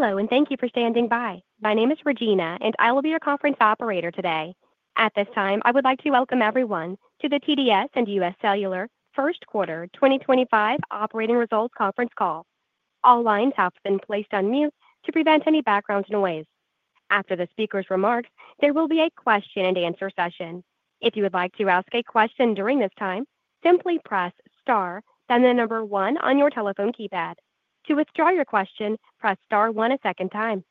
Hello, and thank you for standing by. My name is Regina, and I will be your conference operator today. At this time, I would like to welcome everyone to the TDS and UScellular First Quarter 2025 Operating Results Conference Call. All lines have been placed on mute to prevent any background noise. After the speaker's remarks, there will be a question-and-answer session. If you would like to ask a question during this time, simply press star, then the number one on your telephone keypad. To withdraw your question, press star one a second time.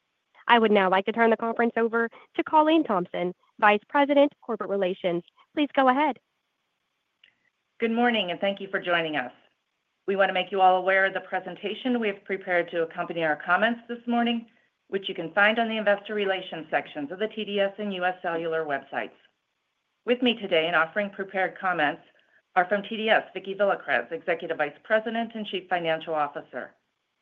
I would now like to turn the conference over to Colleen Thompson, Vice President, Corporate Relations. Pease go ahead. Good morning, and thank you for joining us. We want to make you all aware of the presentation we have prepared to accompany our comments this morning, which you can find on the Investor Relations sections of the TDS and UScellular websites. With me today and offering prepared comments are from TDS, Vicki Villacrez, Executive Vice President and Chief Financial Officer.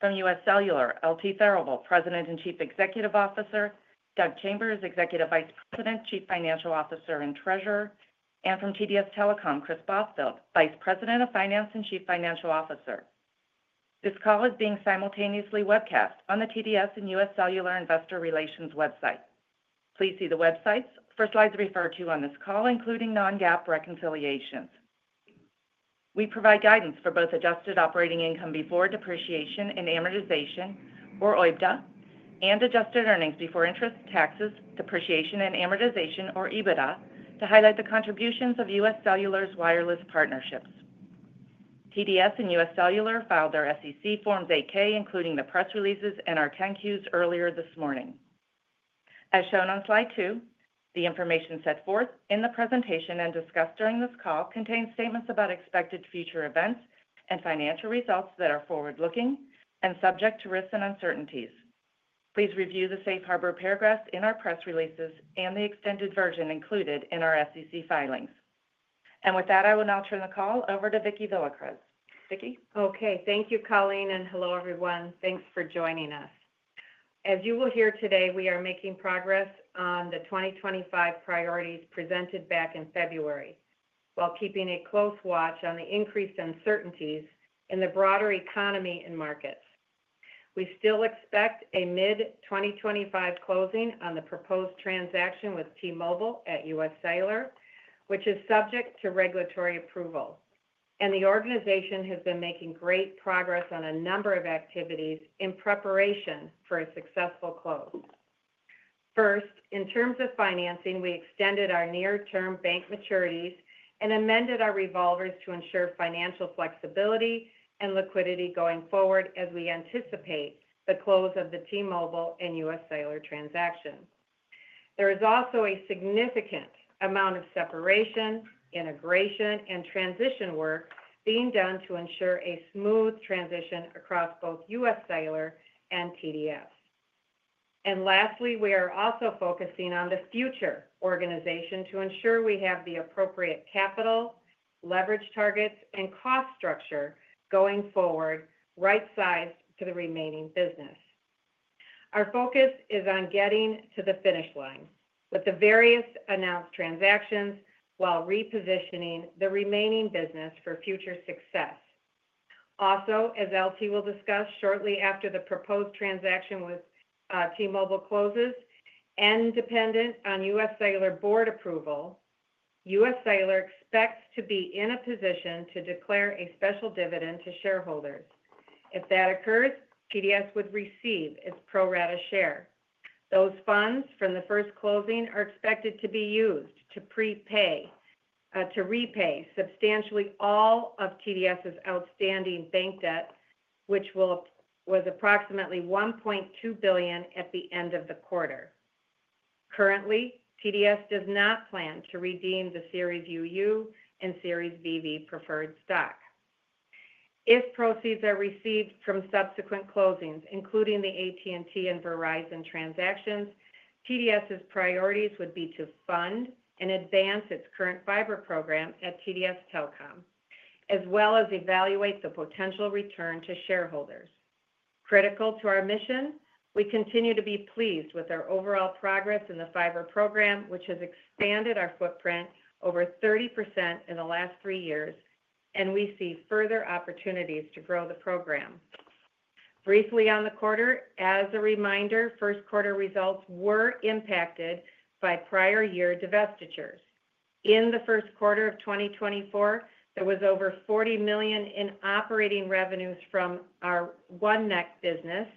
From UScellular, L.T. Therivel, President and Chief Executive Officer. Doug Chambers, Executive Vice President, Chief Financial Officer and Treasurer. From TDS Telecom, Kris Bothfield, Vice President of Finance and Chief Financial Officer. This call is being simultaneously webcast on the TDS and UScellular Investor Relations website. Please see the websites for slides referred to on this call, including non-GAAP reconciliations. We provide guidance for both adjusted operating income before depreciation and amortization, or OIBDA, and adjusted earnings before interest, taxes, depreciation, and amortization, or EBITDA, to highlight the contributions of UScellular's wireless partnerships. TDS and UScellular filed their SEC Forms 8-K, including the press releases and our 10-Qs earlier this morning. As shown on slide two, the information set forth in the presentation and discussed during this call contains statements about expected future events and financial results that are forward-looking and subject to risks and uncertainties. Please review the safe harbor paragraphs in our press releases and the extended version included in our SEC filings. With that, I will now turn the call over to Vicki Villacrez. Vicki. Okay. Thank you, Colleen, and hello, everyone. Thanks for joining us. As you will hear today, we are making progress on the 2025 priorities presented back in February while keeping a close watch on the increased uncertainties in the broader economy and markets. We still expect a mid-2025 closing on the proposed transaction with T-Mobile at UScellular, which is subject to regulatory approval. The organization has been making great progress on a number of activities in preparation for a successful close. First, in terms of financing, we extended our near-term bank maturities and amended our revolvers to ensure financial flexibility and liquidity going forward as we anticipate the close of the T-Mobile and UScellular transaction. There is also a significant amount of separation, integration, and transition work being done to ensure a smooth transition across both UScellular and TDS. Lastly, we are also focusing on the future organization to ensure we have the appropriate capital, leverage targets, and cost structure going forward right-sized to the remaining business. Our focus is on getting to the finish line with the various announced transactions while repositioning the remaining business for future success. Also, as L.T. will discuss shortly after the proposed transaction with T-Mobile closes, and dependent on UScellular board approval, UScellular expects to be in a position to declare a special dividend to shareholders. If that occurs, TDS would receive its pro rata share. Those funds from the first closing are expected to be used to repay substantially all of TDS's outstanding bank debt, which was approximately $1.2 billion at the end of the quarter. Currently, TDS does not plan to redeem the Series UU and Series VV preferred stock. If proceeds are received from subsequent closings, including the AT&T and Verizon transactions, TDS's priorities would be to fund and advance its current fiber program at TDS Telecom, as well as evaluate the potential return to shareholders. Critical to our mission, we continue to be pleased with our overall progress in the fiber program, which has expanded our footprint over 30% in the last three years, and we see further opportunities to grow the program. Briefly on the quarter, as a reminder, Q1 results were impacted by prior year divestitures. In Q1 of 2024, there was over $40 million in operating revenues from our OneNeck business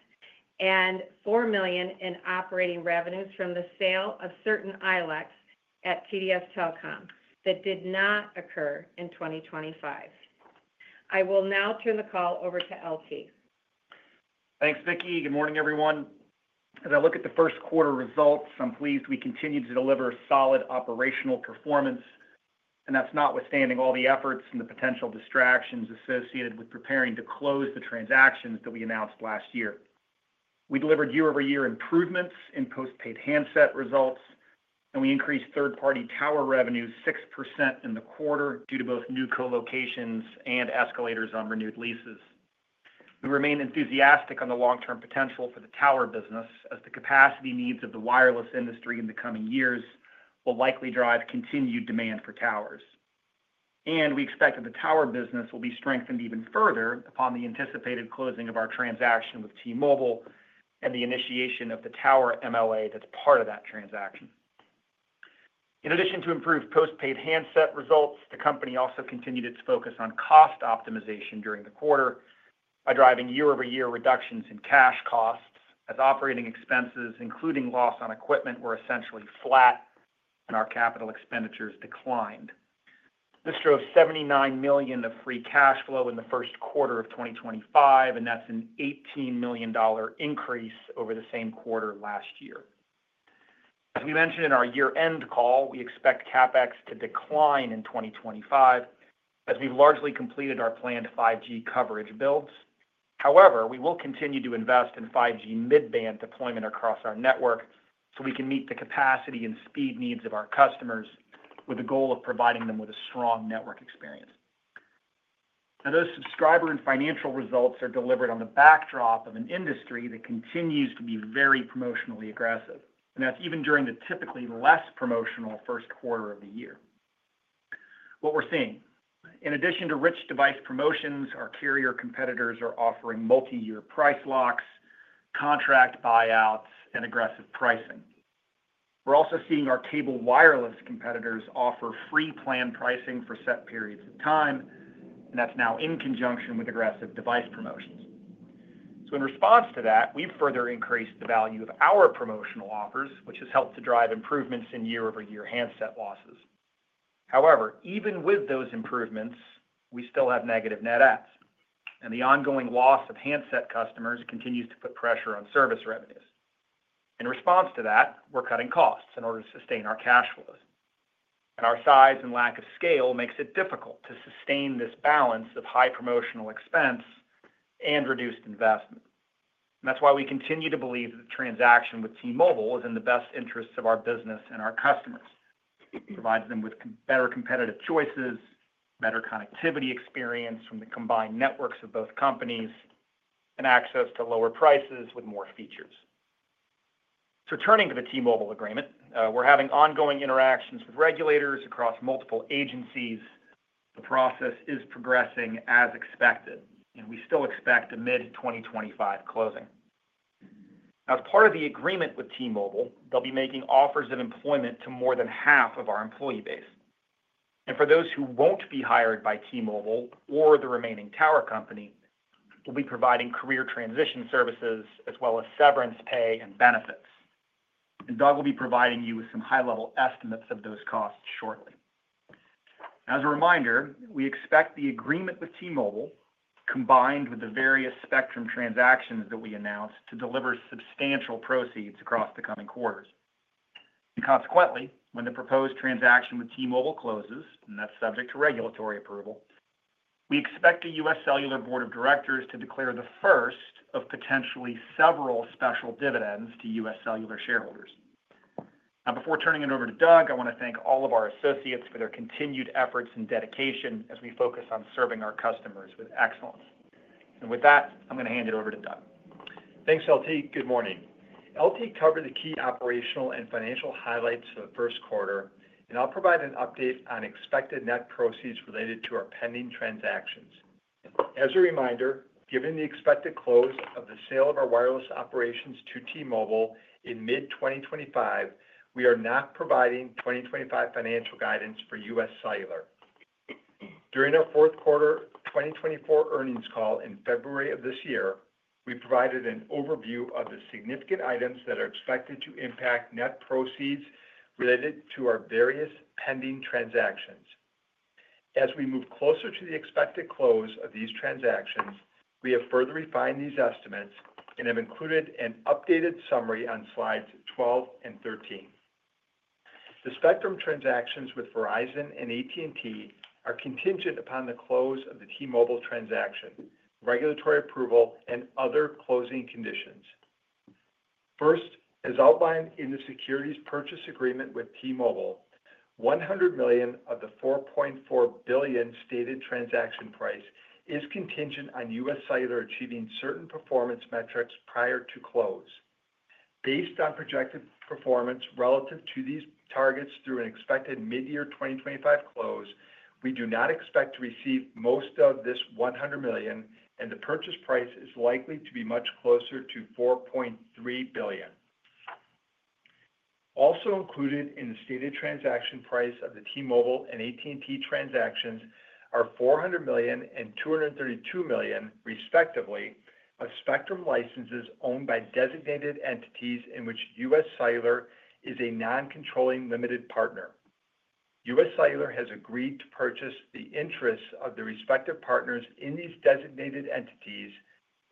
and $4 million in operating revenues from the sale of certain ILECs at TDS Telecom that did not occur in 2025. I will now turn the call over to L.T. Thanks, Vicky. Good morning, everyone. As I look at the Q1 results, I'm pleased we continue to deliver solid operational performance, and that's notwithstanding all the efforts and the potential distractions associated with preparing to close the transactions that we announced last year. We delivered year-over-year improvements in postpaid handset results, and we increased third-party tower revenues 6% in the quarter due to both new colocations and escalators on renewed leases. We remain enthusiastic on the long-term potential for the tower business, as the capacity needs of the wireless industry in the coming years will likely drive continued demand for towers. We expect that the tower business will be strengthened even further upon the anticipated closing of our transaction with T-Mobile and the initiation of the tower MLA that's part of that transaction. In addition to improved postpaid handset results, the company also continued its focus on cost optimization during the quarter by driving year-over-year reductions in cash costs as operating expenses, including loss on equipment, were essentially flat and our capital expenditures declined. This drove $79 million of free cash flow in Q1 of 2025, and that's an $18 million increase over the same quarter last year. As we mentioned in our year-end call, we expect CapEx to decline in 2025 as we've largely completed our planned 5G coverage builds. However, we will continue to invest in 5G mid-band deployment across our network so we can meet the capacity and speed needs of our customers with the goal of providing them with a strong network experience. Now, those subscriber and financial results are delivered on the backdrop of an industry that continues to be very promotionally aggressive, and that's even during the typically less promotional Q1 of the year. What we're seeing, in addition to rich device promotions, our carrier competitors are offering multi-year price locks, contract buyouts, and aggressive pricing. We're also seeing our cable wireless competitors offer free plan pricing for set periods of time, and that's now in conjunction with aggressive device promotions. In response to that, we've further increased the value of our promotional offers, which has helped to drive improvements in year-over-year handset losses. However, even with those improvements, we still have negative net apps, and the ongoing loss of handset customers continues to put pressure on service revenues. In response to that, we're cutting costs in order to sustain our cash flows. Our size and lack of scale makes it difficult to sustain this balance of high promotional expense and reduced investment. That is why we continue to believe that the transaction with T-Mobile is in the best interests of our business and our customers. It provides them with better competitive choices, better connectivity experience from the combined networks of both companies, and access to lower prices with more features. Turning to the T-Mobile agreement, we are having ongoing interactions with regulators across multiple agencies. The process is progressing as expected, and we still expect a mid-2025 closing. As part of the agreement with T-Mobile, they will be making offers of employment to more than half of our employee base. For those who will not be hired by T-Mobile or the remaining tower company, we will be providing career transition services as well as severance pay and benefits. Doug will be providing you with some high-level estimates of those costs shortly. As a reminder, we expect the agreement with T-Mobile, combined with the various spectrum transactions that we announced, to deliver substantial proceeds across the coming quarters. Consequently, when the proposed transaction with T-Mobile closes, and that is subject to regulatory approval, we expect the UScellular Board of Directors to declare the first of potentially several special dividends to UScellular shareholders. Now, before turning it over to Doug, I want to thank all of our associates for their continued efforts and dedication as we focus on serving our customers with excellence. With that, I am going to hand it over to Doug. Thanks, L.T. Good morning. L.T. covered the key operational and financial highlights of Q1 and I'll provide an update on expected net proceeds related to our pending transactions. As a reminder, given the expected close of the sale of our wireless operations to T-Mobile in mid-2025, we are not providing 2025 financial guidance for UScellular. During our Q4 2024 earnings call in February of this year, we provided an overview of the significant items that are expected to impact net proceeds related to our various pending transactions. As we move closer to the expected close of these transactions, we have further refined these estimates and have included an updated summary on slides 12 and 13. The spectrum transactions with Verizon and AT&T are contingent upon the close of the T-Mobile transaction, regulatory approval, and other closing conditions. First, as outlined in the securities purchase agreement with T-Mobile, $100 million of the $4.4 billion stated transaction price is contingent on UScellular achieving certain performance metrics prior to close. Based on projected performance relative to these targets through an expected mid-year 2025 close, we do not expect to receive most of this $100 million, and the purchase price is likely to be much closer to $4.3 billion. Also included in the stated transaction price of the T-Mobile and AT&T transactions are $400 million and $232 million, respectively, of spectrum licenses owned by designated entities in which UScellular is a non-controlling limited partner. UScellular has agreed to purchase the interests of the respective partners in these designated entities,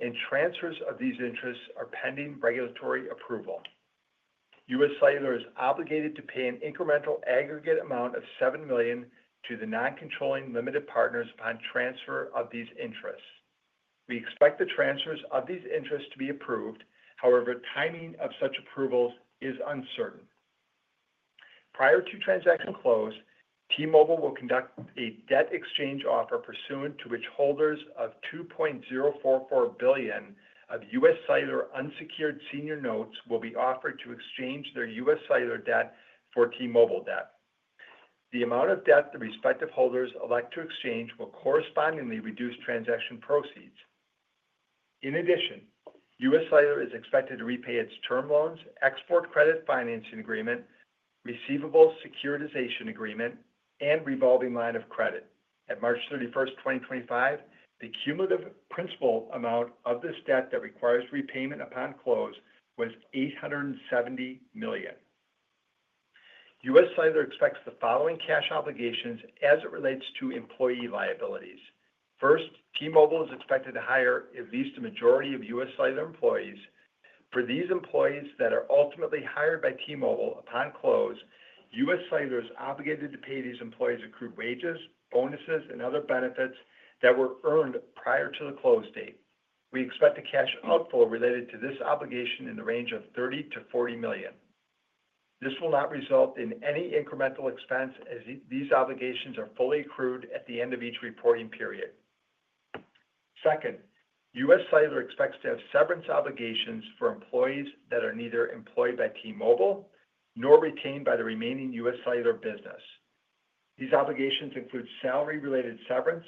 and transfers of these interests are pending regulatory approval. UScellular is obligated to pay an incremental aggregate amount of $7 million to the non-controlling limited partners upon transfer of these interests. We expect the transfers of these interests to be approved. However, timing of such approvals is uncertain. Prior to transaction close, T-Mobile will conduct a debt exchange offer pursuant to which holders of $2.044 billion of UScellular unsecured senior notes will be offered to exchange their UScellular debt for T-Mobile debt. The amount of debt the respective holders elect to exchange will correspondingly reduce transaction proceeds. In addition, UScellular is expected to repay its term loans, export credit financing agreement, receivable securitization agreement, and revolving line of credit. At March 31, 2025, the cumulative principal amount of this debt that requires repayment upon close was $870 million. UScellular expects the following cash obligations as it relates to employee liabilities. First, T-Mobile is expected to hire at least a majority of UScellular employees. For these employees that are ultimately hired by T-Mobile upon close, UScellular is obligated to pay these employees accrued wages, bonuses, and other benefits that were earned prior to the close date. We expect the cash outflow related to this obligation in the range of $30 million-$40 million. This will not result in any incremental expense as these obligations are fully accrued at the end of each reporting period. Second, UScellular expects to have severance obligations for employees that are neither employed by T-Mobile nor retained by the remaining UScellular business. These obligations include salary-related severance,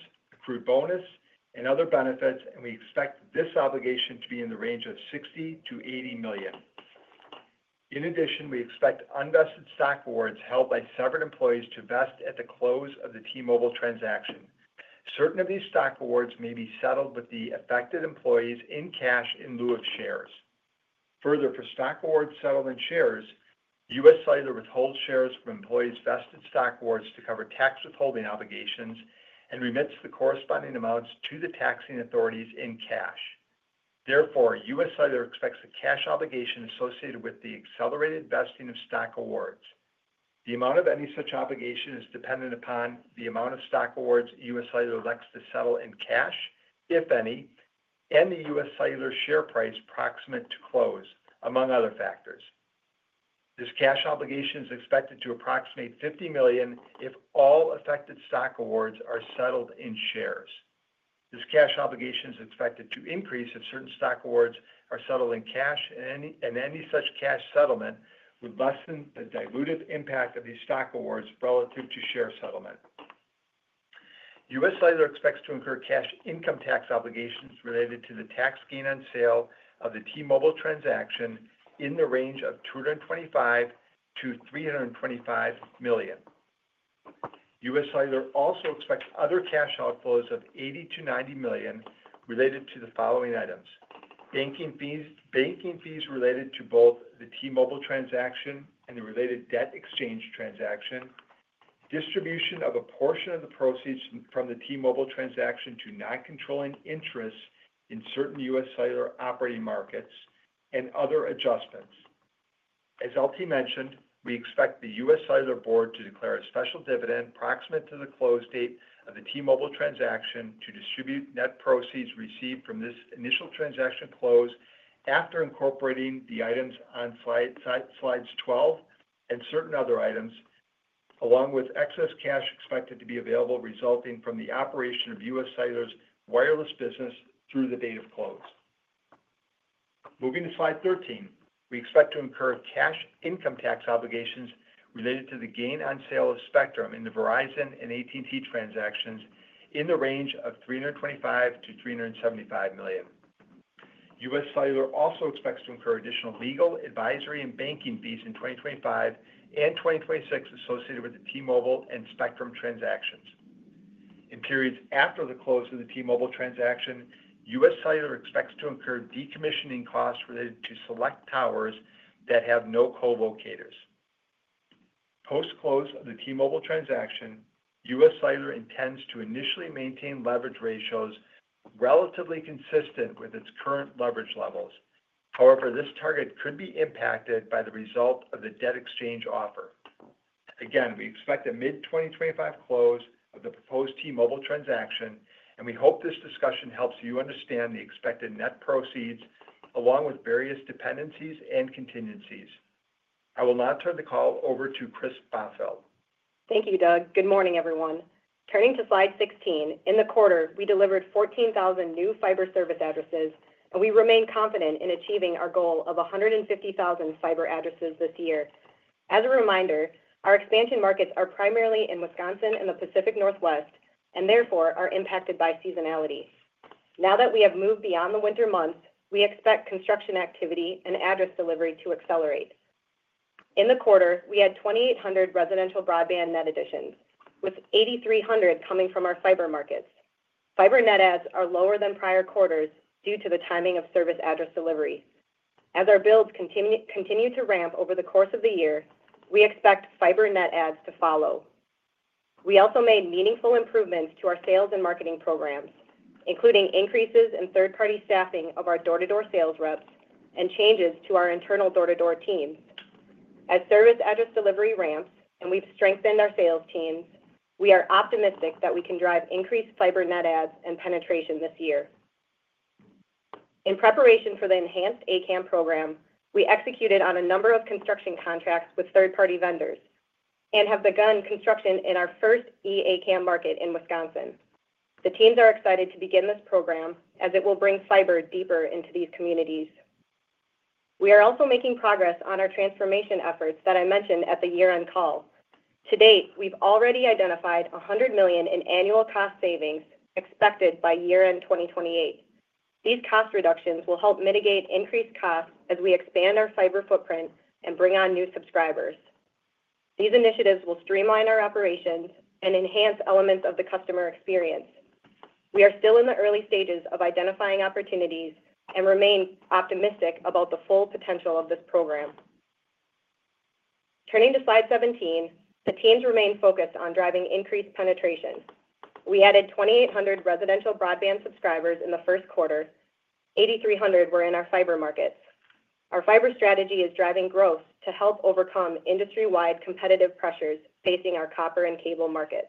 accrued bonus, and other benefits, and we expect this obligation to be in the range of $60 million-$80 million. In addition, we expect unvested stock awards held by severed employees to vest at the close of the T-Mobile transaction. Certain of these stock awards may be settled with the affected employees in cash in lieu of shares. Further, for stock awards settled in shares, UScellular withholds shares from employees' vested stock awards to cover tax withholding obligations and remits the corresponding amounts to the taxing authorities in cash. Therefore, UScellular expects a cash obligation associated with the accelerated vesting of stock awards. The amount of any such obligation is dependent upon the amount of stock awards UScellular elects to settle in cash, if any, and the UScellular share price proximate to close, among other factors. This cash obligation is expected to approximate $50 million if all affected stock awards are settled in shares. This cash obligation is expected to increase if certain stock awards are settled in cash, and any such cash settlement would lessen the dilutive impact of these stock awards relative to share settlement. UScellular expects to incur cash income tax obligations related to the tax gain on sale of the T-Mobile transaction in the range of $225 -325 million. UScellular also expects other cash outflows of $80-90 million related to the following items: banking fees related to both the T-Mobile transaction and the related debt exchange transaction, distribution of a portion of the proceeds from the T-Mobile transaction to non-controlling interests in certain UScellular operating markets, and other adjustments. As L.T. mentioned, we expect the UScellular Board to declare a special dividend proximate to the close date of the T-Mobile transaction to distribute net proceeds received from this initial transaction close after incorporating the items on slides 12 and certain other items, along with excess cash expected to be available resulting from the operation of UScellular's wireless business through the date of close. Moving to slide 13, we expect to incur cash income tax obligations related to the gain on sale of spectrum in the Verizon and AT&T transactions in the range of $325 -375 million. UScellular also expects to incur additional legal, advisory, and banking fees in 2025 and 2026 associated with the T-Mobile and spectrum transactions. In periods after the close of the T-Mobile transaction, UScellular expects to incur decommissioning costs related to select towers that have no co-locators. Post-close of the T-Mobile transaction, UScellular intends to initially maintain leverage ratios relatively consistent with its current leverage levels. However, this target could be impacted by the result of the debt exchange offer. Again, we expect a mid-2025 close of the proposed T-Mobile transaction, and we hope this discussion helps you understand the expected net proceeds along with various dependencies and contingencies. I will now turn the call over to Kris Bothfield. Thank you, Doug. Good morning, everyone. Turning to slide 16, in the quarter, we delivered 14,000 new fiber service addresses, and we remain confident in achieving our goal of 150,000 fiber addresses this year. As a reminder, our expansion markets are primarily in Wisconsin and the Pacific Northwest, and therefore are impacted by seasonality. Now that we have moved beyond the winter months, we expect construction activity and address delivery to accelerate. In the quarter, we had 2,800 residential broadband net additions, with 8,300 coming from our fiber markets. Fiber net adds are lower than prior quarters due to the timing of service address delivery. As our builds continue to ramp over the course of the year, we expect fiber net adds to follow. We also made meaningful improvements to our sales and marketing programs, including increases in third-party staffing of our door-to-door sales reps and changes to our internal door-to-door teams. As service address delivery ramps and we've strengthened our sales teams, we are optimistic that we can drive increased fiber net adds and penetration this year. In preparation for the enhanced ACAM program, we executed on a number of construction contracts with third-party vendors and have begun construction in our first E-ACAM market in Wisconsin. The teams are excited to begin this program as it will bring fiber deeper into these communities. We are also making progress on our transformation efforts that I mentioned at the year-end call. To date, we've already identified $100 million in annual cost savings expected by year-end 2028. These cost reductions will help mitigate increased costs as we expand our fiber footprint and bring on new subscribers. These initiatives will streamline our operations and enhance elements of the customer experience. We are still in the early stages of identifying opportunities and remain optimistic about the full potential of this program. Turning to slide 17, the teams remain focused on driving increased penetration. We added 2,800 residential broadband subscribers in Q1 8,300 were in our fiber markets. Our fiber strategy is driving growth to help overcome industry-wide competitive pressures facing our copper and cable markets.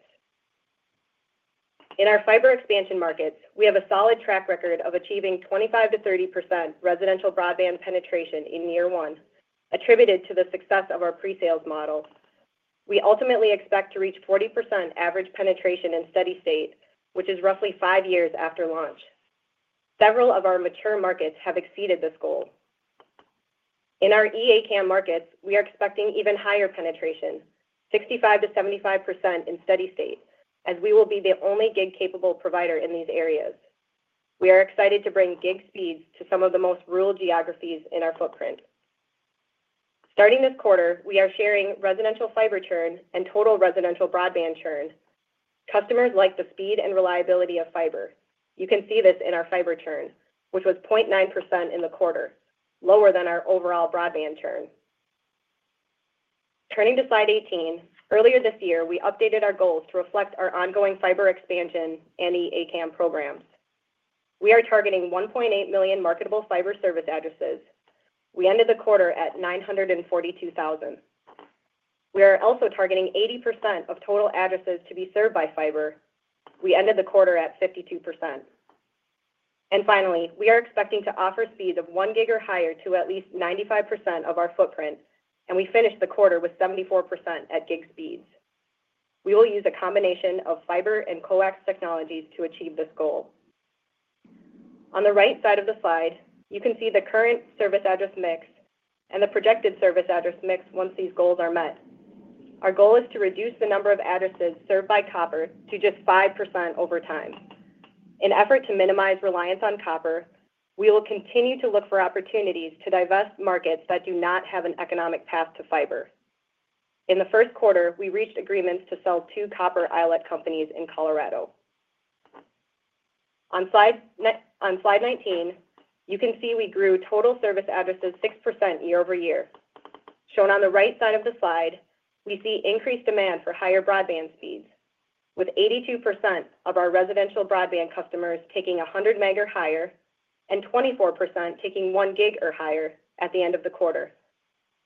In our fiber expansion markets, we have a solid track record of achieving 25%-30% residential broadband penetration in year one, attributed to the success of our pre-sales model. We ultimately expect to reach 40% average penetration in steady state, which is roughly five years after launch. Several of our mature markets have exceeded this goal. In our E-ACAM markets, we are expecting even higher penetration, 65%-75% in steady state, as we will be the only gig-capable provider in these areas. We are excited to bring gig speeds to some of the most rural geographies in our footprint. Starting this quarter, we are sharing residential fiber churn and total residential broadband churn. Customers like the speed and reliability of fiber. You can see this in our fiber churn, which was 0.9% in the quarter, lower than our overall broadband churn. Turning to slide 18, earlier this year, we updated our goals to reflect our ongoing fiber expansion and E-ACAM programs. We are targeting 1.8 million marketable fiber service addresses. We ended the quarter at 942,000. We are also targeting 80% of total addresses to be served by fiber. We ended the quarter at 52%. Finally, we are expecting to offer speeds of 1 gig or higher to at least 95% of our footprint, and we finished the quarter with 74% at gig speeds. We will use a combination of fiber and coax technologies to achieve this goal. On the right side of the slide, you can see the current service address mix and the projected service address mix once these goals are met. Our goal is to reduce the number of addresses served by copper to just 5% over time. In an effort to minimize reliance on copper, we will continue to look for opportunities to divest markets that do not have an economic path to fiber. In Q1, we reached agreements to sell two copper ILEC companies in Colorado. On slide 19, you can see we grew total service addresses 6% year over year. Shown on the right side of the slide, we see increased demand for higher broadband speeds, with 82% of our residential broadband customers taking 100Mb or higher and 24% taking 1Gb or higher at the end of the quarter.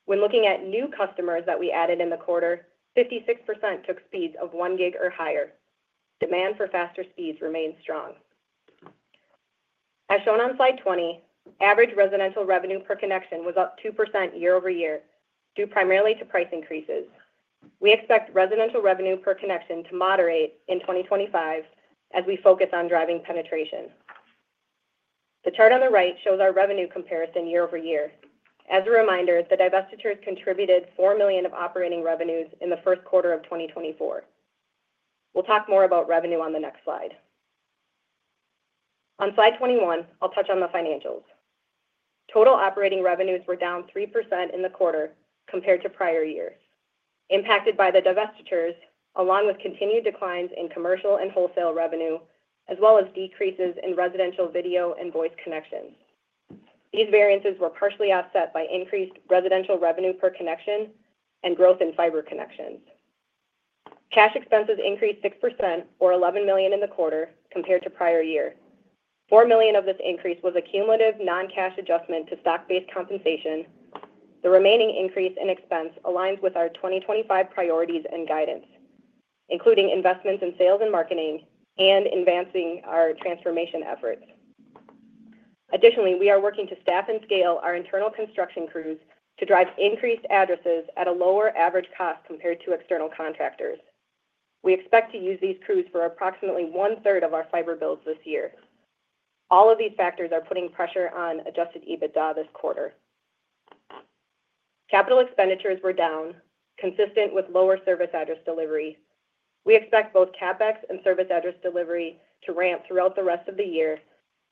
When looking at new customers that we added in the quarter, 56% took speeds of one gig or higher. Demand for faster speeds remains strong. As shown on slide 20, average residential revenue per connection was up 2% year over year due primarily to price increases. We expect residential revenue per connection to moderate in 2025 as we focus on driving penetration. The chart on the right shows our revenue comparison year over year. As a reminder, the divestitures contributed $4 million of operating revenues in the Q1 of 2024. We'll talk more about revenue on the next slide. On slide 21, I'll touch on the financials. Total operating revenues were down 3% in the quarter compared to prior years, impacted by the divestitures along with continued declines in commercial and wholesale revenue, as well as decreases in residential video and voice connections. These variances were partially offset by increased residential revenue per connection and growth in fiber connections. Cash expenses increased 6%, or $11 million in the quarter, compared to prior year. $4 million of this increase was a cumulative non-cash adjustment to stock-based compensation. The remaining increase in expense aligns with our 2025 priorities and guidance, including investments in sales and marketing and advancing our transformation efforts. Additionally, we are working to staff and scale our internal construction crews to drive increased addresses at a lower average cost compared to external contractors. We expect to use these crews for approximately one-third of our fiber builds this year. All of these factors are putting pressure on adjusted EBITDA this quarter. Capital expenditures were down, consistent with lower service address delivery. We expect both CapEx and service address delivery to ramp throughout the rest of the year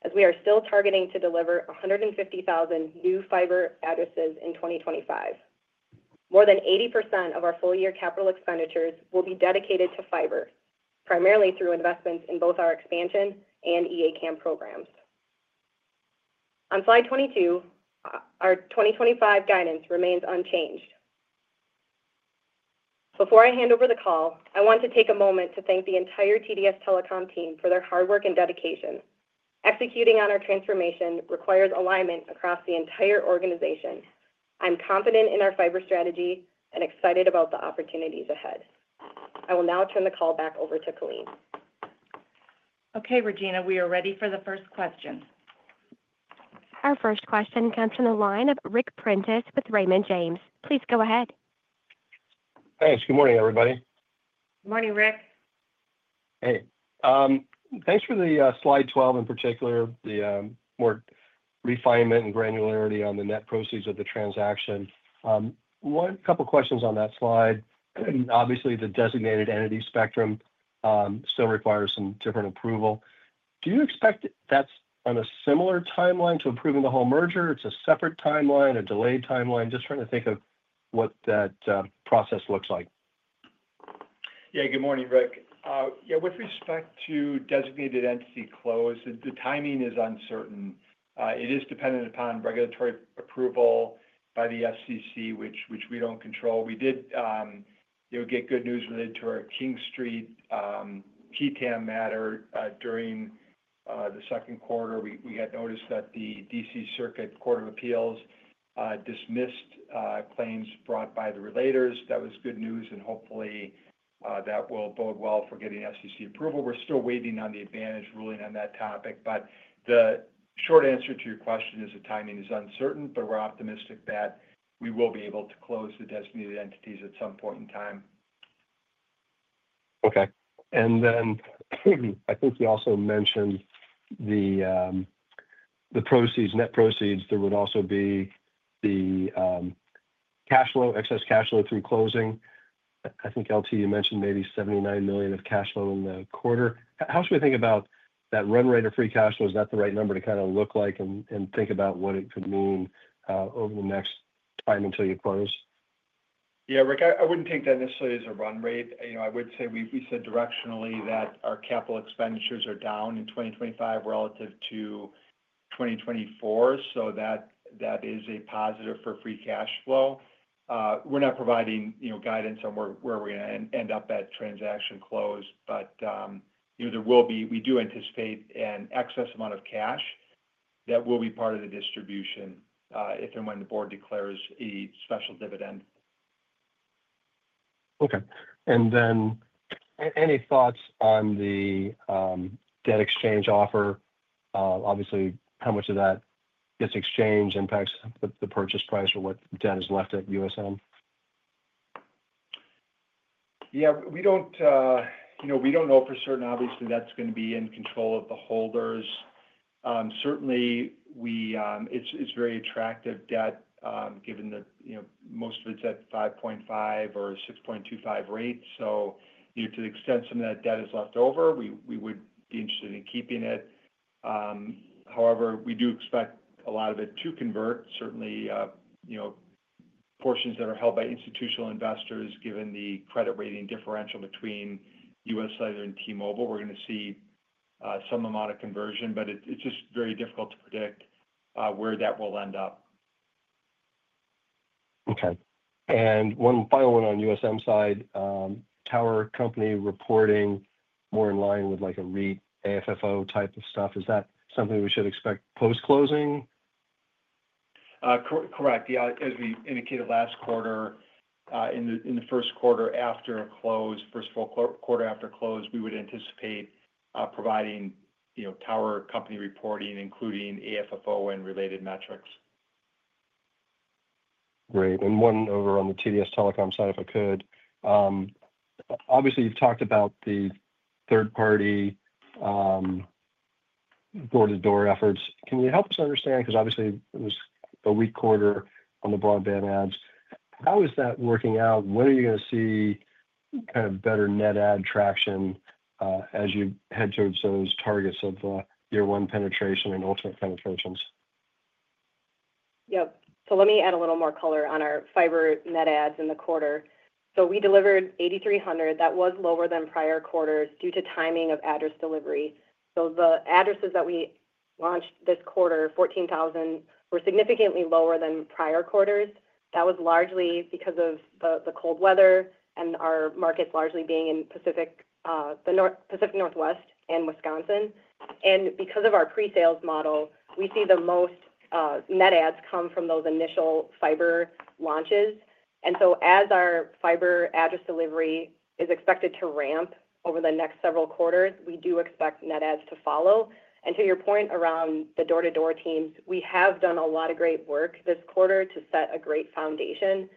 as we are still targeting to deliver 150,000 new fiber addresses in 2025. More than 80% of our full-year capital expenditures will be dedicated to fiber, primarily through investments in both our expansion and E-ACAM programs. On slide 22, our 2025 guidance remains unchanged. Before I hand over the call, I want to take a moment to thank the entire Array Digital Infrastructure team for their hard work and dedication. Executing on our transformation requires alignment across the entire organization. I'm confident in our fiber strategy and excited about the opportunities ahead. I will now turn the call back over to Colleen. Okay, Regina, we are ready for the first question. Our first question comes from the line of Ric Prentiss with Raymond James. Please go ahead. Thanks. Good morning, everybody. Good morning, Rick. Hey. Thanks for the slide 12 in particular, the more refinement and granularity on the net proceeds of the transaction. One couple of questions on that slide. Obviously, the designated entity spectrum still requires some different approval. Do you expect that's on a similar timeline to approving the whole merger? It's a separate timeline, a delayed timeline. Just trying to think of what that process looks like. Yeah, good morning, Ric. Yeah, with respect to designated entity close, the timing is uncertain. It is dependent upon regulatory approval by the FCC, which we do not control. We did get good news related to our King Street [TTAM] matter during the Q2 We had noticed that the DC Circuit Court of Appeals dismissed claims brought by the relators. That was good news, and hopefully, that will bode well for getting FCC approval. We are still waiting on the advantage ruling on that topic, but the short answer to your question is the timing is uncertain, but we are optimistic that we will be able to close the designated entities at some point in time. Okay. I think you also mentioned the proceeds, net proceeds. There would also be the cash flow, excess cash flow through closing. I think, L.T., you mentioned maybe $79 million of cash flow in the quarter. How should we think about that run rate of free cash flow? Is that the right number to kind of look like and think about what it could mean over the next time until you close? Yeah, Rick, I would not take that necessarily as a run rate. I would say we said directionally that our capital expenditures are down in 2025 relative to 2024, so that is a positive for free cash flow. We are not providing guidance on where we are going to end up at transaction close, but there will be—we do anticipate an excess amount of cash that will be part of the distribution if and when the board declares a special dividend. Okay. Any thoughts on the debt exchange offer? Obviously, how much of that gets exchanged impacts the purchase price or what debt is left at USM? Yeah, we don't know for certain. Obviously, that's going to be in control of the holders. Certainly, it's very attractive debt given that most of it's at 5.5% or 6.25% rates. To the extent some of that debt is left over, we would be interested in keeping it. However, we do expect a lot of it to convert. Certainly, portions that are held by institutional investors, given the credit rating differential between UScellular and T-Mobile, we're going to see some amount of conversion, but it's just very difficult to predict where that will end up. Okay. One final one on USM side, Tower Company reporting more in line with a REIT AFFO type of stuff. Is that something we should expect post-closing? Correct. As we indicated last quarter, in the first quarter after close, first full quarter after close, we would anticipate providing tower company reporting, including AFFO and related metrics. Great. One over on the TDS Telecom side, if I could. Obviously, you've talked about the third-party door-to-door efforts. Can you help us understand, because obviously, it was a weak quarter on the broadband ads? How is that working out? When are you going to see kind of better net ad traction as you head towards those targets of year-one penetration and ultimate penetrations? Yep. Let me add a little more color on our fiber net ads in the quarter. We delivered 8,300. That was lower than prior quarters due to timing of address delivery. The addresses that we launched this quarter, 14,000, were significantly lower than prior quarters. That was largely because of the cold weather and our markets largely being in Pacific Northwest and Wisconsin. Because of our pre-sales model, we see the most net ads come from those initial fiber launches. As our fiber address delivery is expected to ramp over the next several quarters, we do expect net ads to follow. To your point around the door-to-door teams, we have done a lot of great work this quarter to set a great foundation.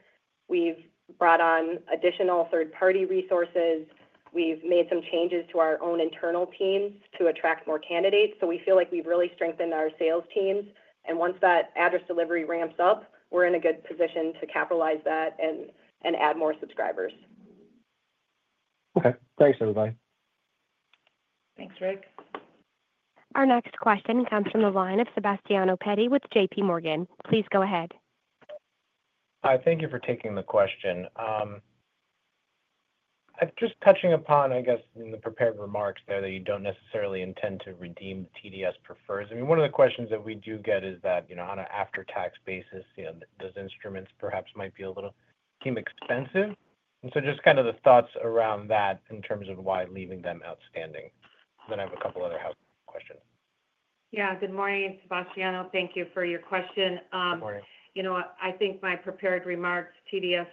We have brought on additional third-party resources. We have made some changes to our own internal teams to attract more candidates. We feel like we've really strengthened our sales teams. Once that address delivery ramps up, we're in a good position to capitalize that and add more subscribers. Okay. Thanks, everybody. Thanks, Ric. Our next question comes from the line of Sebastiano Petti with JPMorgan. Please go ahead. Hi. Thank you for taking the question. Just touching upon, I guess, in the prepared remarks there that you do not necessarily intend to redeem the TDS prefers. I mean, one of the questions that we do get is that on an after-tax basis, those instruments perhaps might be a little too expensive. I mean, just kind of the thoughts around that in terms of why leaving them outstanding. I have a couple of other questions. Yeah. Good morning, Sebastiano. Thank you for your question. Good morning. I think my prepared remarks, TDS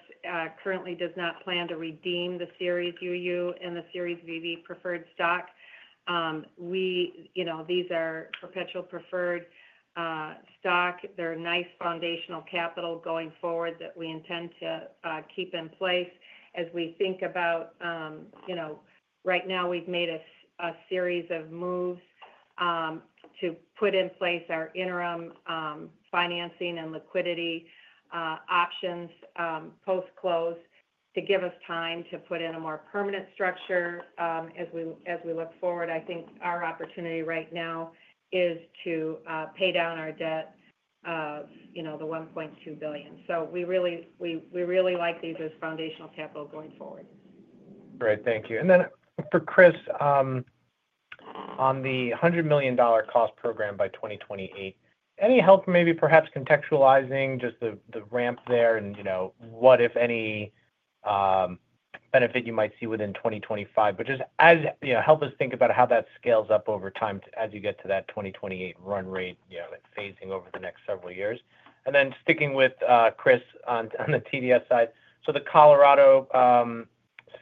currently does not plan to redeem the Series UU and the Series VV preferred stock. These are perpetual preferred stock. They're nice foundational capital going forward that we intend to keep in place as we think about right now, we've made a series of moves to put in place our interim financing and liquidity options post-close to give us time to put in a more permanent structure as we look forward. I think our opportunity right now is to pay down our debt of the $1.2 billion. We really like these as foundational capital going forward. Great. Thank you. For Kris, on the $100 million cost program by 2028, any help maybe perhaps contextualizing just the ramp there and what, if any, benefit you might see within 2025? Just help us think about how that scales up over time as you get to that 2028 run rate phasing over the next several years. Sticking with Kris on the TDS side, the Colorado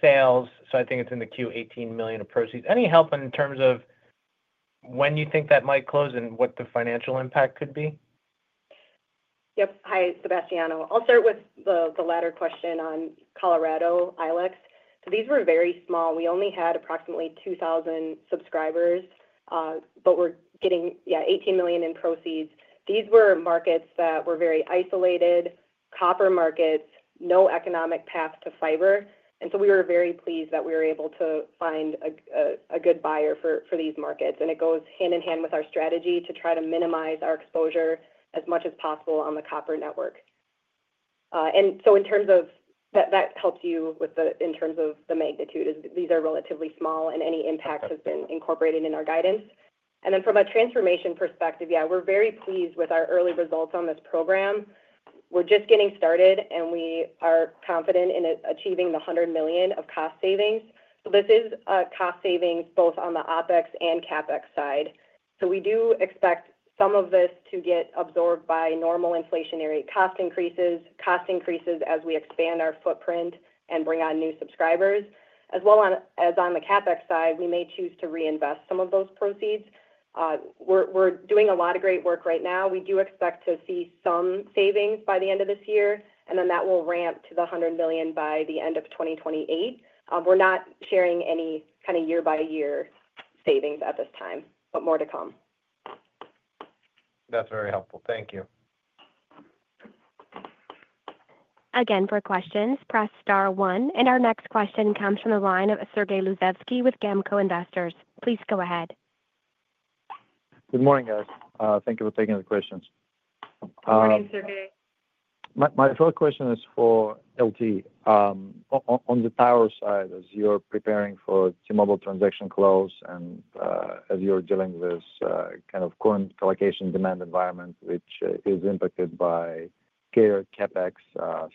sales, I think it's in the Q1 $8 million of proceeds. Any help in terms of when you think that might close and what the financial impact could be? Yep. Hi, Sebastiano. I'll start with the latter question on Colorado ILEC. These were very small. We only had approximately 2,000 subscribers, but we're getting, yeah, $18 million in proceeds. These were markets that were very isolated, copper markets, no economic path to fiber. We were very pleased that we were able to find a good buyer for these markets. It goes hand in hand with our strategy to try to minimize our exposure as much as possible on the copper network. In terms of that, that helps you with the magnitude. These are relatively small, and any impact has been incorporated in our guidance. From a transformation perspective, yeah, we're very pleased with our early results on this program. We're just getting started, and we are confident in achieving the $100 million of cost savings. This is cost savings both on the OpEx and CapEx side. We do expect some of this to get absorbed by normal inflationary cost increases, cost increases as we expand our footprint and bring on new subscribers. As well as on the CapEx side, we may choose to reinvest some of those proceeds. We're doing a lot of great work right now. We do expect to see some savings by the end of this year, and then that will ramp to the $100 million by the end of 2028. We're not sharing any kind of year-by-year savings at this time, but more to come. That's very helpful. Thank you. Again, for questions, press star one. Our next question comes from the line of Sergey Dluzhevskiy with GAMCO Investors. Please go ahead. Good morning, guys. Thank you for taking the questions. Good morning, Sergey. My first question is for L.T. On the tower side, as you're preparing for the T-Mobile transaction close and as you're dealing with this kind of current collocation demand environment, which is impacted by CapEx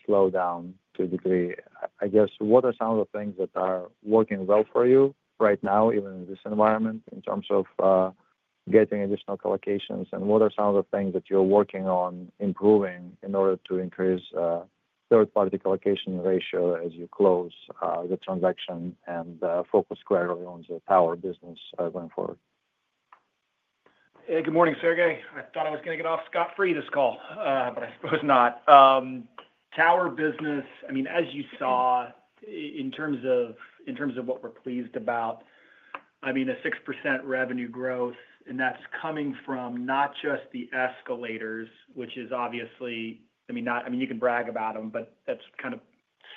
slowdown to a degree, I guess, what are some of the things that are working well for you right now, even in this environment, in terms of getting additional collocations? What are some of the things that you're working on improving in order to increase third-party collocation ratio as you close the transaction and focus clearly on the tower business going forward? Hey, good morning, Sergey. I thought I was going to get off scot-free this call, but I suppose not. Tower business, I mean, as you saw, in terms of what we're pleased about, I mean, a 6% revenue growth, and that's coming from not just the escalators, which is obviously, I mean, you can brag about them, but that's kind of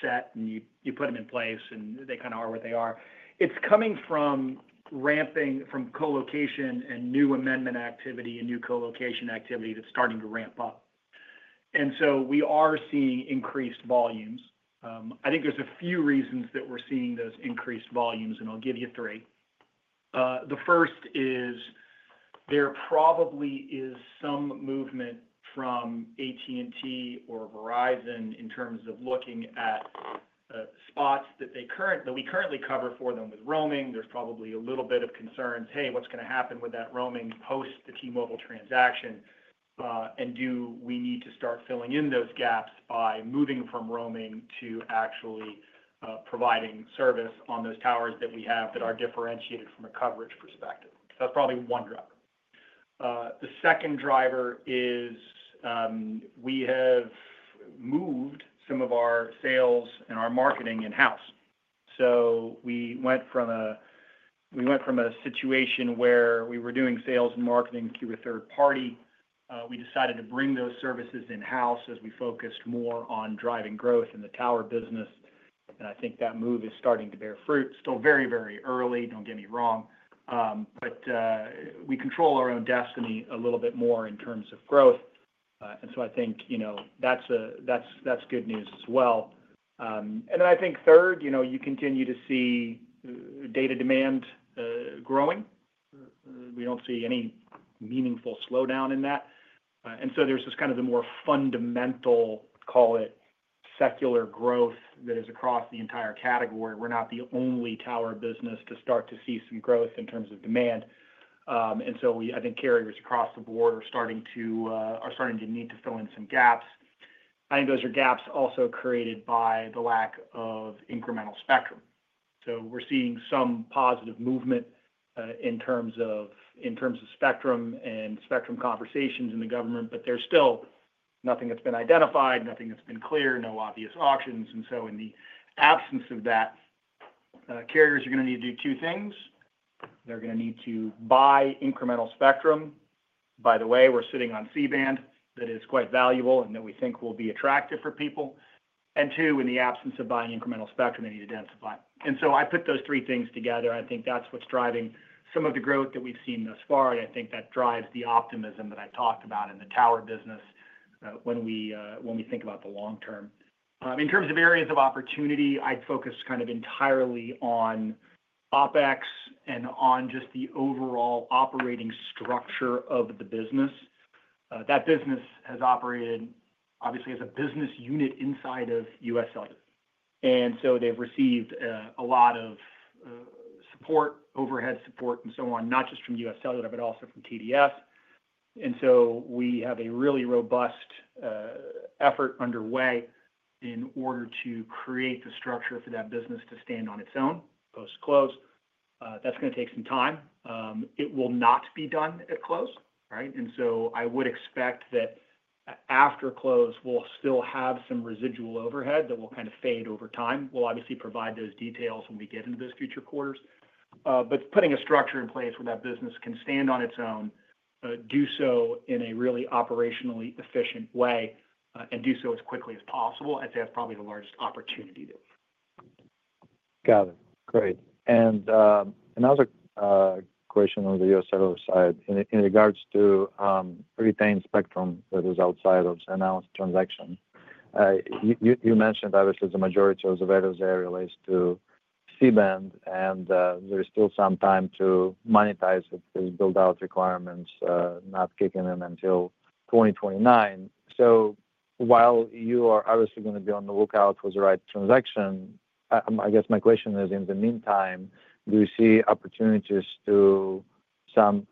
set, and you put them in place, and they kind of are what they are. It's coming from collocation and new amendment activity and new collocation activity that's starting to ramp up. We are seeing increased volumes. I think there's a few reasons that we're seeing those increased volumes, and I'll give you three. The first is there probably is some movement from AT&T or Verizon in terms of looking at spots that we currently cover for them with roaming. There's probably a little bit of concerns, "Hey, what's going to happen with that roaming post the T-Mobile transaction?" Do we need to start filling in those gaps by moving from roaming to actually providing service on those towers that we have that are differentiated from a coverage perspective? That's probably one driver. The second driver is we have moved some of our sales and our marketing in-house. We went from a situation where we were doing sales and marketing through a third party. We decided to bring those services in-house as we focused more on driving growth in the Tower business. I think that move is starting to bear fruit. Still very, very early, do not get me wrong. We control our own destiny a little bit more in terms of growth. I think that's good news as well. I think third, you continue to see data demand growing. We do not see any meaningful slowdown in that. There is just kind of the more fundamental, call it, secular growth that is across the entire category. We are not the only tower business to start to see some growth in terms of demand. I think carriers across the board are starting to need to fill in some gaps. I think those are gaps also created by the lack of incremental spectrum. We are seeing some positive movement in terms of spectrum and spectrum conversations in the government, but there is still nothing that has been identified, nothing that has been clear, no obvious auctions. In the absence of that, carriers are going to need to do two things. They are going to need to buy incremental spectrum. By the way, we're sitting on C-band that is quite valuable and that we think will be attractive for people. Two, in the absence of buying incremental spectrum, they need to densify. I put those three things together. I think that's what's driving some of the growth that we've seen thus far. I think that drives the optimism that I've talked about in the tower business when we think about the long term. In terms of areas of opportunity, I'd focus kind of entirely on OpEx and on just the overall operating structure of the business. That business has operated, obviously, as a business unit inside of UScellular. They've received a lot of support, overhead support, and so on, not just from UScellular, but also from TDS. We have a really robust effort underway in order to create the structure for that business to stand on its own post-close. That's going to take some time. It will not be done at close, right? I would expect that after close, we'll still have some residual overhead that will kind of fade over time. We'll obviously provide those details when we get into those future quarters. Putting a structure in place where that business can stand on its own, do so in a really operationally efficient way, and do so as quickly as possible, I'd say that's probably the largest opportunity there. Got it. Great. Another question on the UScellular side in regards to retained spectrum that is outside of the announced transaction. You mentioned, obviously, the majority of the value there relates to C-band, and there is still some time to monetize these build-out requirements, not kicking them until 2029. While you are obviously going to be on the lookout for the right transaction, I guess my question is, in the meantime, do you see opportunities for some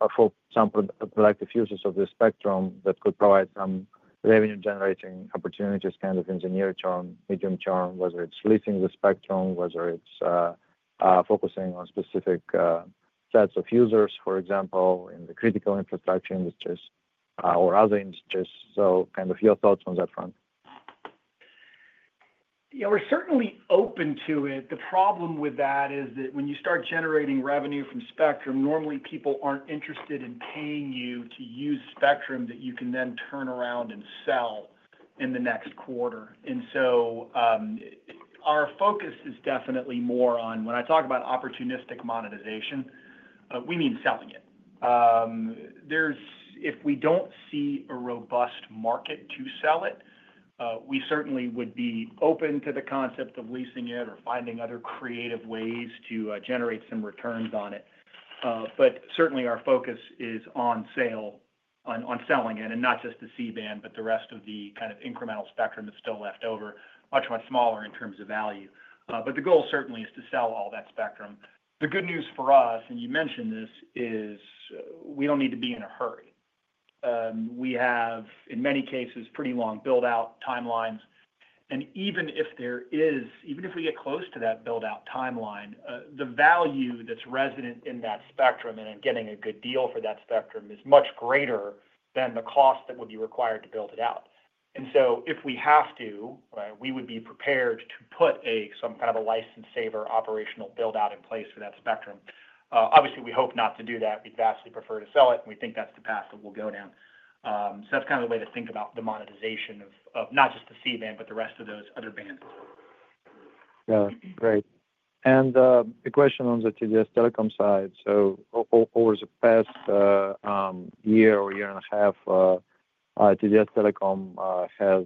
productive uses of the spectrum that could provide some revenue-generating opportunities in the near term, medium term, whether it is leasing the spectrum, whether it is focusing on specific sets of users, for example, in the critical infrastructure industries or other industries? Your thoughts on that front. Yeah. We're certainly open to it. The problem with that is that when you start generating revenue from spectrum, normally people aren't interested in paying you to use spectrum that you can then turn around and sell in the next quarter. Our focus is definitely more on when I talk about opportunistic monetization, we mean selling it. If we don't see a robust market to sell it, we certainly would be open to the concept of leasing it or finding other creative ways to generate some returns on it. Certainly, our focus is on selling it and not just the C-band, but the rest of the kind of incremental spectrum that's still left over, much, much smaller in terms of value. The goal certainly is to sell all that spectrum. The good news for us, and you mentioned this, is we do not need to be in a hurry. We have, in many cases, pretty long build-out timelines. Even if we get close to that build-out timeline, the value that is resident in that spectrum and in getting a good deal for that spectrum is much greater than the cost that would be required to build it out. If we have to, we would be prepared to put some kind of a license-saver operational build-out in place for that spectrum. Obviously, we hope not to do that. We would vastly prefer to sell it, and we think that is the path that we will go down. That is kind of the way to think about the monetization of not just the C-band, but the rest of those other bands. Yeah. Great. A question on the TDS Telecom side. Over the past year or year and a half, TDS Telecom has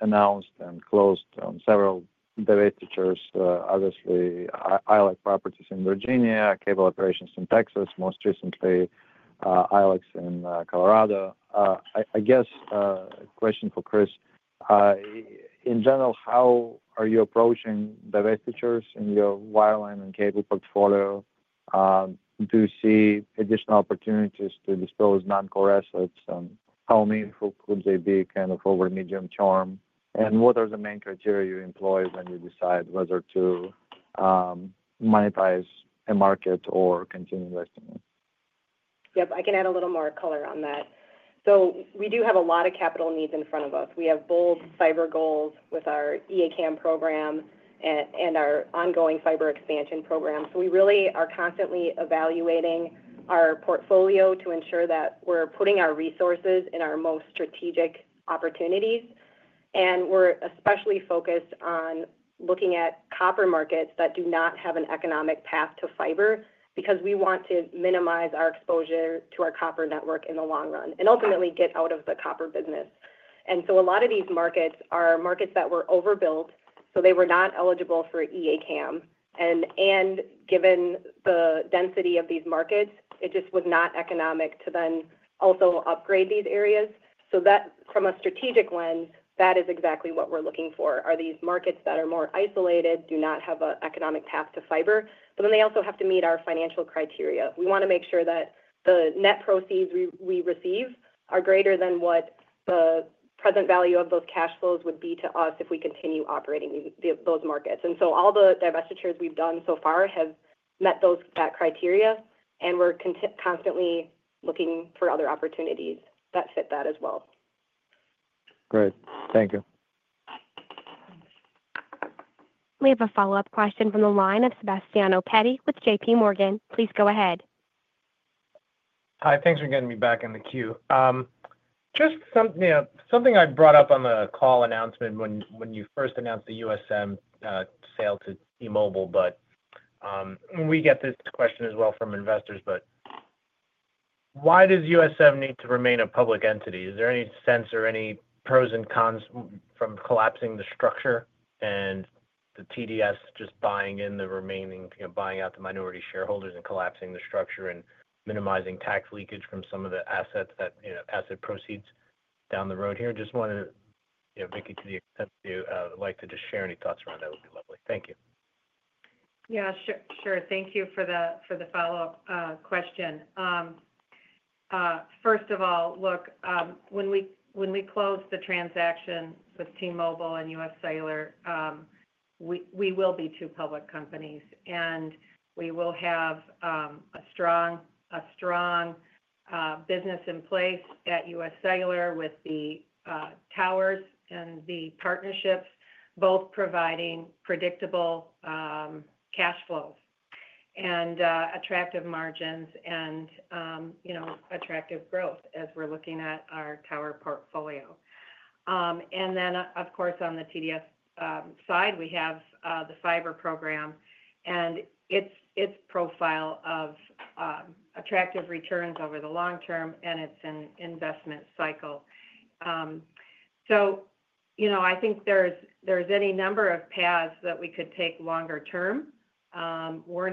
announced and closed on several divestitures, obviously, ILEC properties in Virginia, cable operations in Texas, most recently ILEC in Colorado. I guess a question for Kris. In general, how are you approaching divestitures in your wireline and cable portfolio? Do you see additional opportunities to dispose non-core assets? How meaningful could they be over the medium term? What are the main criteria you employ when you decide whether to monetize a market or continue investing in it? Yep. I can add a little more color on that. We do have a lot of capital needs in front of us. We have bold fiber goals with our E-ACAM program and our ongoing fiber expansion program. We really are constantly evaluating our portfolio to ensure that we're putting our resources in our most strategic opportunities. We're especially focused on looking at copper markets that do not have an economic path to fiber because we want to minimize our exposure to our copper network in the long run and ultimately get out of the copper business. A lot of these markets are markets that were overbuilt, so they were not eligible for E-ACAM. Given the density of these markets, it just was not economic to then also upgrade these areas. From a strategic lens, that is exactly what we're looking for, are these markets that are more isolated, do not have an economic path to fiber, but then they also have to meet our financial criteria. We want to make sure that the net proceeds we receive are greater than what the present value of those cash flows would be to us if we continue operating those markets. All the divestitures we've done so far have met that criteria, and we're constantly looking for other opportunities that fit that as well. Great. Thank you. We have a follow-up question from the line of Sebastiano Petti with JPMorgan. Please go ahead. Hi. Thanks for getting me back in the queue. Just something I brought up on the call announcement when you first announced the USM sale to T-Mobile, we get this question as well from investors. Why does USM need to remain a public entity? Is there any sense or any pros and cons from collapsing the structure and TDS just buying in the remaining, buying out the minority shareholders and collapsing the structure and minimizing tax leakage from some of the asset proceeds down the road here? Just wanted to, Vicki, to the extent that you'd like to just share any thoughts around that would be lovely. Thank you. Yeah. Sure. Thank you for the follow-up question. First of all, look, when we close the transaction with T-Mobile and UScellular, we will be two public companies. We will have a strong business in place at UScellular with the towers and the partnerships, both providing predictable cash flows and attractive margins and attractive growth as we're looking at our tower portfolio. Of course, on the TDS side, we have the fiber program and its profile of attractive returns over the long term and its investment cycle. I think there's any number of paths that we could take longer term. We're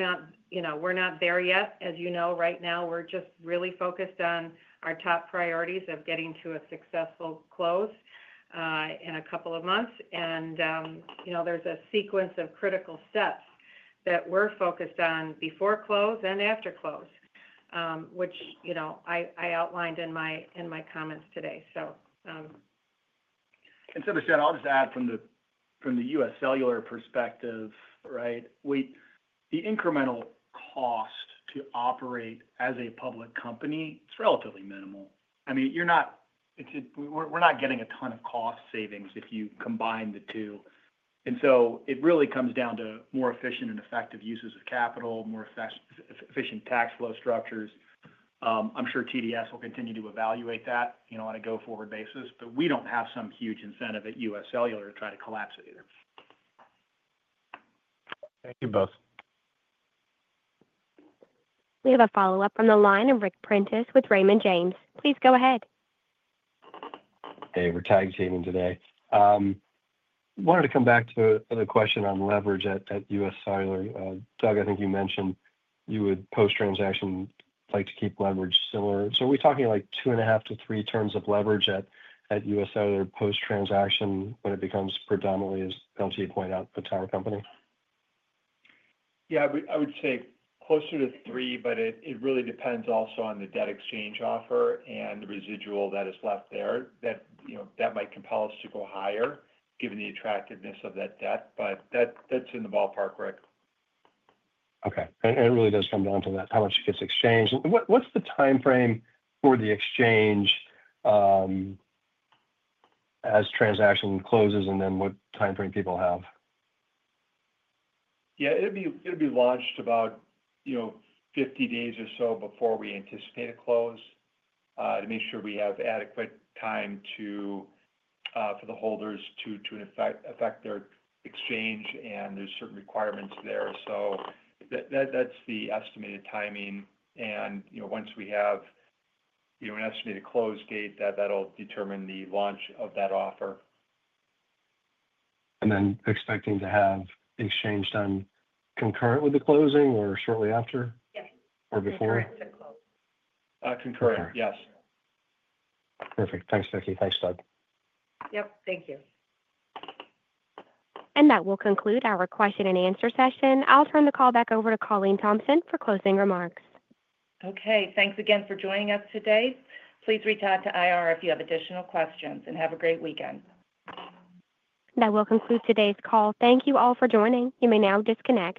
not there yet. As you know, right now, we're just really focused on our top priorities of getting to a successful close in a couple of months. There is a sequence of critical steps that we are focused on before close and after close, which I outlined in my comments today. I'll just add from the UScellular perspective, right? The incremental cost to operate as a public company, it's relatively minimal. I mean, we're not getting a ton of cost savings if you combine the two. It really comes down to more efficient and effective uses of capital, more efficient tax flow structures. I'm sure TDS will continue to evaluate that on a go-forward basis, but we don't have some huge incentive at UScellular to try to collapse it either. Thank you both. We have a follow-up on the line of Ric Prentiss with Raymond James. Please go ahead. Hey. We're tag teaming today. Wanted to come back to the question on leverage at UScellular. Doug, I think you mentioned you would post-transaction like to keep leverage similar. Are we talking like two and a half to three turns of leverage at UScellular post-transaction when it becomes predominantly, as L.T pointed out, a tower company? Yeah. I would say closer to three, but it really depends also on the debt exchange offer and the residual that is left there that might compel us to go higher given the attractiveness of that debt. That is in the ballpark, Rick. Okay. It really does come down to how much it gets exchanged. What's the timeframe for the exchange as transaction closes and then what timeframe people have? Yeah. It'll be launched about 50 days or so before we anticipate a close to make sure we have adequate time for the holders to affect their exchange, and there are certain requirements there. That is the estimated timing. Once we have an estimated close date, that'll determine the launch of that offer. Are you expecting to have the exchange done concurrent with the closing or shortly after or before? Concurrent to close. Concurrent, yes. Perfect. Thanks, Vicki. Thanks, Doug. Yep. Thank you. That will conclude our question and answer session. I'll turn the call back over to Colleen Thompson for closing remarks. Okay. Thanks again for joining us today. Please reach out to IR if you have additional questions, and have a great weekend. That will conclude today's call. Thank you all for joining. You may now disconnect.